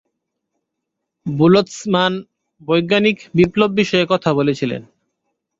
বোলৎসমান বৈজ্ঞানিক বিপ্লব বিষয়ে কথা বলেছিলেন।